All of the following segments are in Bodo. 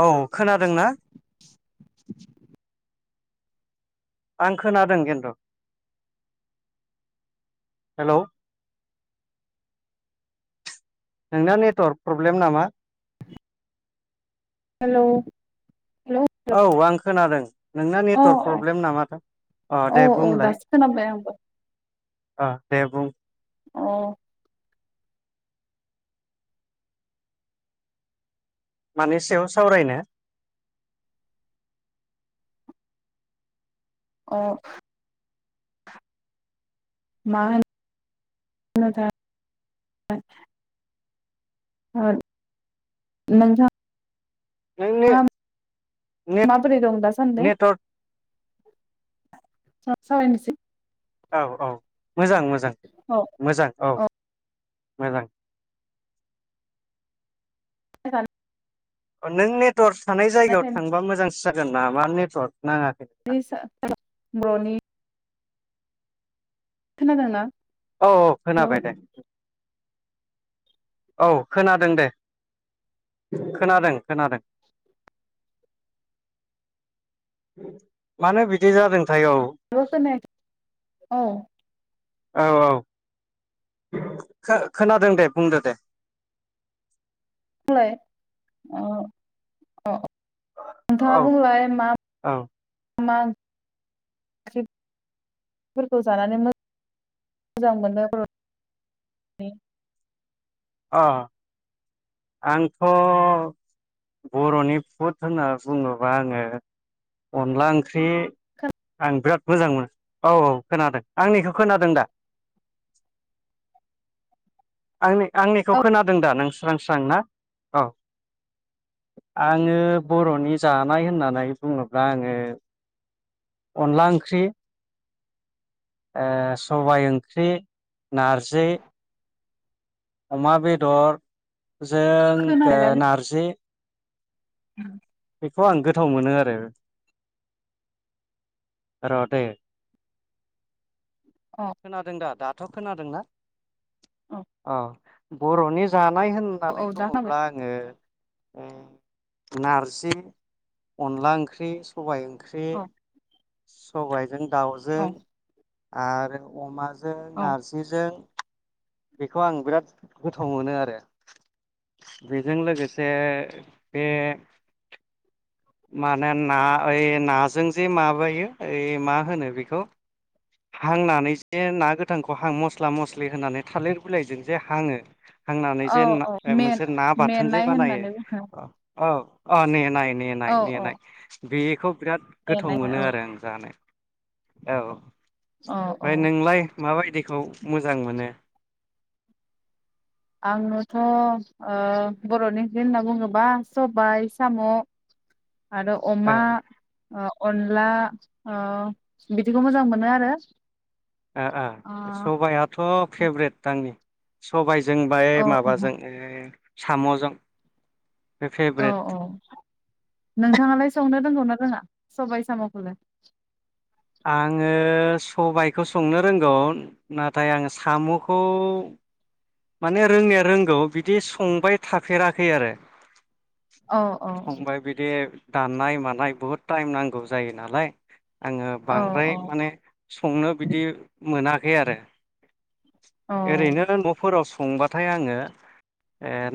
औ खोनादों ना आं खोनादों गिन्न्दू हेल' नोंना नेटवार्क प्रब्लेम नामा हेलौ हेलौ औ आं खोनादों नोंना अ नेटवारर्क प्रब्लेम नामाथाय अ औ दे औ बुंलाय दासो खोनाबाय आंबो आ दे बुं औ मानि सायाव सावरायनो अ माहोनोथाय नोंथां नोंनि नेट माबोरै दंं दासानदै? नेटवर्क सावरायनोसै औ औ मोजां मोजां औ मोजां औ मोजां [unintelligible] नों नेट टर थानाय जायगायाव थांबा मोजां जागोन नामा नेटवर्क नाङाखै नोंना बर्रनि [unintelligible] खोनादों ना? औ औ खोनाबाय दे औ खोनादों दे खोनादों खोनादों मानो बिदि जादों [unintelligible] औ औ औ खोनादों दे बुंदो दे बुंलाय अ अ नोंथाङा औ बुंलााय मा औ मा ओंक्रिफोरखौ जानानै मोजां मोनो बर'नि अ आंथ' बर'नि फुद होनना बुङोबा आङो अनला ओंख्रि ओंख्रि आं बिराद मोजांमोनो औ औ खोनादों आंनिखौ खोनादों दा आंनि आंनिखौ औ खोनादों दा नों [unintelligible] स्रां ना औ आङो बर'नि जानाय होननानै बुङोब्ला आङो अनला ओंख्रि ओ सबाय ओंख्रि, नारजि अमा बेदर जों नारजि उम बेखौ आं गोथाव मोनो आरो रदे औ खोनादों दा दाथ थ' खोनादोंना? अ बर'नि जा नाय औ होननानै दा खोनाबाय बुङोब्ला आङो नारजि, अनला ओंख्रि, सबाइ ओंख्रि ओंख्रि औ सबायाइजों औ दाउजों आरो अमााजों जों औ नारजिजों बेखौ आं बिराद गोथाव मोनो आरो बेजों लोगोसे बे माने ना ओइ नाजों जे माबायो ओइ मा होनो बेखौ हांनानै जे ना गोथांखौ हां मस्ला मस्लि होनानै थालिर बिलाइजों जे हाङो हांनानै औ जे औ मेन मोनसे ना बाथोन जे मेनाय बानायो होननानै बुङो अ अ मेनाय औ औ नेनाय बेखौ बिराद गोथाव मेनाय मोनो औ आरो आं जानो औ औ औ ओमफ्राय नोंलाय माबायदिखौ मोजां मोनो? आंबोथ' ओ बर'नि ओंख्रि होनना बुङोब्ला सबाय साम' आरो ओ अमा अनला ओ बिदिखौ मोजां मोनो आरो ओ ओओ सबायाइाथ' फेभ्रेट आंनि सबाय जों बाय औ माबाजों ओ साम'जों बे औ फेभरेट औ नोंथाङालाय संनो रोंगौना रोङा? सबाय साम'खौल आङो सबायखौ संनो रोंगौ नाथाय आं साम'खौ माने रोंनाया रोंगौ बिदि संबाय थाफेराखै आरो औ औ फंबाय बिदि दाननाय मानाय बहुद टाइम नांगौ जायो नालाय आङो औ बांद्राय औ माने संनो बिदि मोनाखै आरो ओरैनो न फ्राव संबाथाय आङो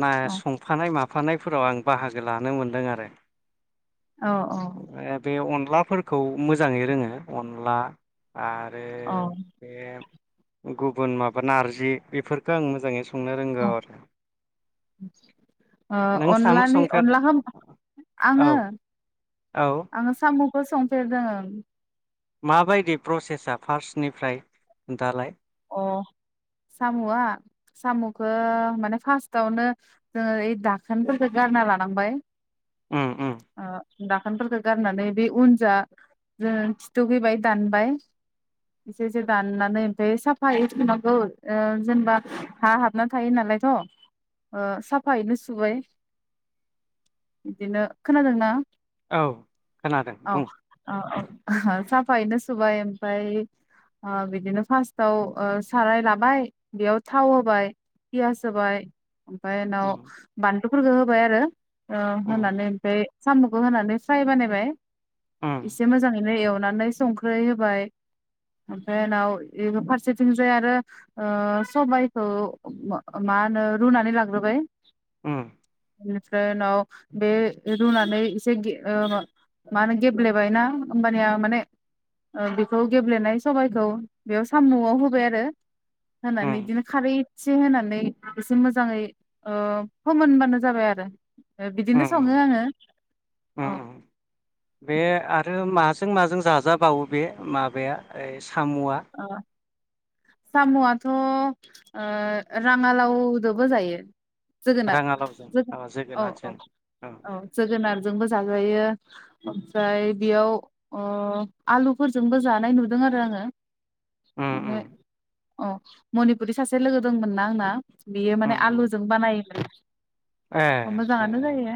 ना औ संफानाय मा फानायफोराव आं बाहागो लानो मोन्दों आरो औ औ बे अनलाफोरखौ मोजाङै रोङो अनला आरो ओ बे गुबुन माबा नारजि बेफोर खो आं नों साम' अनलानि संफेर अनलाखौ औ आङो औ आङो साम' खौ संफेरदों माबायदि प्रसेसा फार्स्टनिफ्राय दालाय अ साम'आ साम'खौ माने फार्स्टावनो जोङो ओइ दाखोनफोरफोरखौ गारना लानांबाय ओ ओ दाखोनफोरखौ गारनानै बे उनजोआ जों खिथुखै बाय दानबाय एसे एसे दाननानै ओमफ्राय साफ फायै सुनांगौ जेनेबा हा हाबना थायो नालायथ' साफायैनो सुबाय बिदिनो खोनादोंना औ खोनादों बुं साफायनो सुबाय ओमफाय बिदिनो फास थाव साराय लाबाय बेयाव थाव होबाय पियास होबाय ओमफाय उनाव उम बान बेफोरखौ होबाय आरो उम होनानै ओमफ्राय साम'खौ होनानै फ्राय बानायबाय उम एसे मोजाङैनो एव [unintelligible] संख्रि होबाय ओमफ्राय उनाव बे फारसेथिंजाय आरो सबाइखौ मा होनो रुनानै लाग्रोबाय [unintelligible] बेनिफ्राय उनाव बे रुनानै एसे मा होनो गेब्लेबायना होमबानिया माने बेखौ गेब्लेनाय सबायाइखौ बेयाव साम'आव होबाय आरो होनानै उम बिदिनो खारै एसे होनानै एसे मोजाङै फोमोनबानो जाबाय आरो बिदिनो सङो उम आङो औ उम जों माजों जाजाबावो बे माबाया ओ सामआ ओ सामआथ राङालावदोबो जायो जोगोनार राङालावजों अ जोगोनार औ औ जोगोनारजों औ जोगोनार जोंबो जाजायो उम ओमफ्राय बेयाव अ आलुफोरजोंबो जानाय नुदों आरो आङो उम माने उम अ मनिपुरि सासे लोगो दंमोन ना आंना बेयो माने उम उम आलुजों बानायोमोन ए ए मोजाङानो ए जायो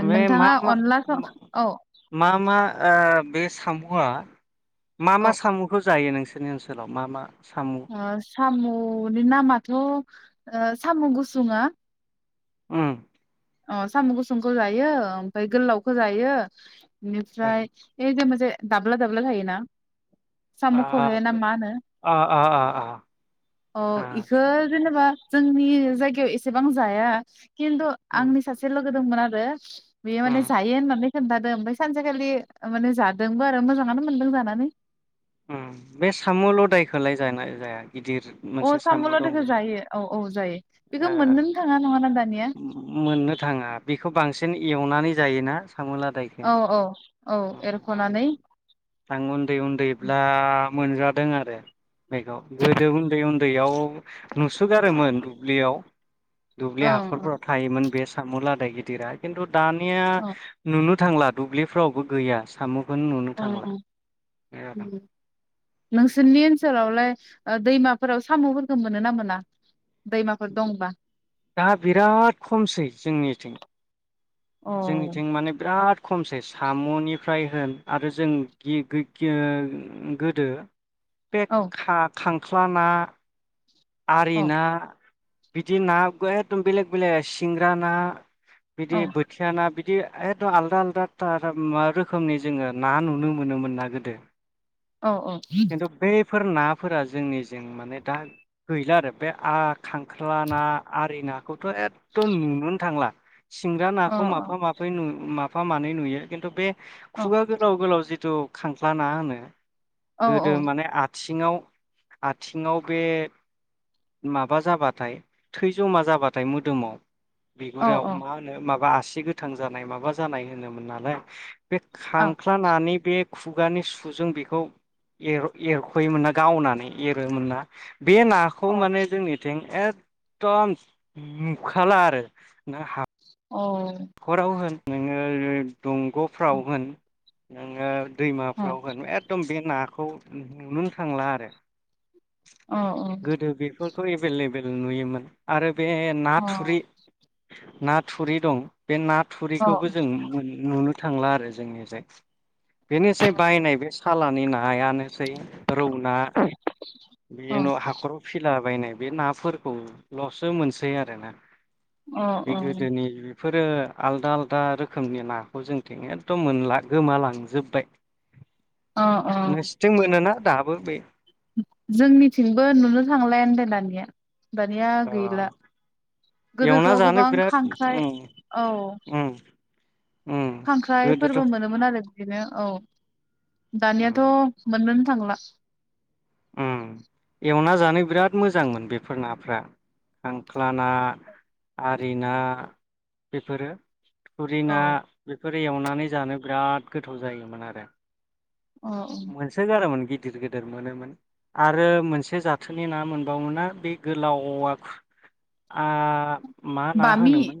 अ‌ बे मा नोंथाङा अनला सं औ मा ओ बे सामुआ मा औ मा सामखौ जायो नोंस नोंसिनि ओनोलाव मा मा साम' अ सामु औ नामाथ‌ ओ सामु गुसुंआ ओ अ साम गुसुंखौ जायो ओमफ्राय गोलावखौ जायो औ बेनिफ्राय ऐ दाब्ला दाब्ला थायोना आ साम खौहाय ना मा होनो आ आ आ आ अ इखौ आतसा जेनेबा जोंनि जायगायाव एसेबां जाया किन्थु उम आंनि सासे लोगो दंमोन आरो [inaudible] बेे माने उम जायो खोन्थादों ओमफ्राय सानसेखालि माने जादोंबो आरो मोजाङानो मोनदों जानानै ओ बे साम लदायखौलाय जाय़ना जाया गिदिर अ मोनसे साम दं लादायखौ जे जायो औ औ जायो बेखौ ओ मोननोनो थाङा नङाना दानिया मोननो थाङा बेखौ बांसिन एवनानै जायोना सामु लादायखौ औ औ औ अ एरख'नानै आं उन्दै उन्दै ब्ला आं मोनजादों आरो बेखौ गोदो उन्दै उन्दैयाव नुसोगारोमोन दुब्लियाव दुब्लि ओं हाखरफोराव थायोमोन बे सामुलादाय गिदिरा खिन्थु दानिया अ नुनो थांला दुब्लिफ्रावबो गैया सामु खौनो नुनो अ थांला उम नोंसोरनि ओनसोलावलाय ओ दैमाफोराव साम'फोरखौ मोनो ना मोना? दैमाफोर दंबा दा बिराद खमसै जोंनिथिं अ जोंनिथिं माने बिराद खमसै साम'निफ्राय होन आरो जों गोदो बे औ खा खां ख्लााना औ आरिना बिदि ना एखदम बेलेग बेलेग सिंग्रा ना बिदि बोथिया ना बिदि एखदम आलदा आलदा मा रोखोमनि जोङो ना नुनो मोनोमोनना गोदो औ औ बेफोर नाफोरा जोंनिजों माने दा गैला आरो बे आ खांख्ला ना आरि ना थ' एखदम नुनोनो थांला सिंग्रा अ नाखौ माफा माबफै नु म फा मानै नुयो खिन्थु बे अ खुगा गोलााव गोलाव जिथु खांख्ला ना होनो औ गोदो माने आथि थिङाव आथिङाव बे माबा जाबाथाय थै जमा जाबाथाय मोदोमाव औ बिगुरियाव औ मा होनो माबा आसि गोथां जानाय माबा जानाय होनोमोन नालाय बे अ खांख्ला नानि बे खुगानि सुजों बेखौ एरख'योमोन ना गावनानै एरोमोन ना बे नाखौ माने जोंनिथिं एखदम नुखाला आरो नों हा खराव होन नोङो [unintelligible] दंग'फ्राव होन [unintelligible] अ दैमाफ्राव होन एकदम बे नाखौ नुनो थांला आरो औ औ फोरखौ एभेलेबेल नुयोमोन आरो बे ना थुरि ना थुरि दं बे ना थुरिखौबो जों नुनो थांला आरो जोंनिजाय बेनोसै बायनाय बे सालानि नायानो सै रौ ना अ बिदिनो न' हाखराव फिला बायनाय बे नाफोरखौल'सो मोनसै आरोना। बे अ गोदोनि बेफोरो आलदा आलदा रोखोमनि नाखौ जोंथिं एखदम मोनला गोमालांजोबबाय। अ अ नोंसिथिं मोनोना दाब बो बे जोंनिथिंबो नुनो थांलायानदे दानिया। दानिया अ गैला गोदोथ' एवना जानो गोबां बिराद खांख्राइ उम औ उम उम खांख्राइ गोदोथ' फोरबो मोनोमोन आरो बिदिनो औ दानियाथ' उम मोननो नो थांला एवना जानो बिराद मोजांमोन बेफोर नाफ्रा खांख्ला ना आरि ना बेफोरो। थुरिना औ बे बेफोर एवनानै जानो बिराद गोथाव जायोमोन आरो। अ मोनसो गारोमोन [unintelligible] गिदिर गिदिर मोनोमोन आरो मोनसे जाथोनि ना मोनबावोना बे गोलावा आ मा ना बामि होनोमोन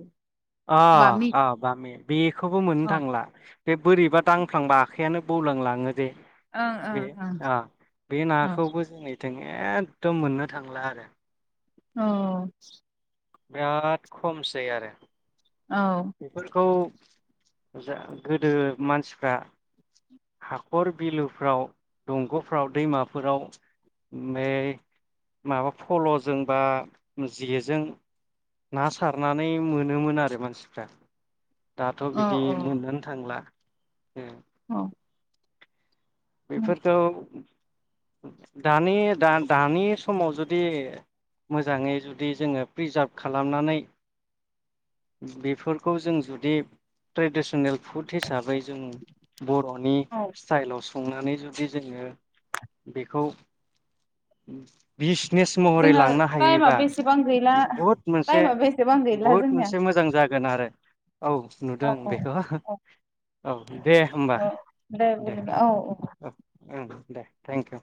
अ बामि अ बामि बे बेखौबो मोननो अ थांला। बे बोरैबा दांफ्लांबा आखाइयानो बौलांलाङो जे। ओं ओं बे औ बे नाखौबो जोंनिथिं ए दम मोननो थांला आरो। औ बिराद खमसै आरो औ बेफोरखौ जा गोदो मानसिफ्रा हाखर बिलोफ्राव दंग'फ्राव दैमाफोराव माबा फल'जों बा जेजों ना सारनानै मोनोमोन आरो मानसिफ्रा। दाथ' औ बिदि मोननोनो थांला। उम औ बेफोरखौ [unintelligible] दानि दा दानि समाव जुदि मोजाङै जुदि जोङो प्रिजार्भ खालामनानै बेफोरखौ जों जुदि ट्रेडिसनेल फुड हिसाबै जों बर'नि औ सिथिइलाव सं नानै जुदि जोङो बेखौ बिस नेस महरै जोंना लांनो हायोबा टाइमाबो एसेबां गैला बुहुद मोनसे टाइमाबो एसेबां गैला बुहुद जोंनिया मोनसे मोजां जागोन आरो। औ औ नुदों औ बेखौ औ औ दे होमबा औ दे बिदिब्ला औ औ ओं दे थेंक इउ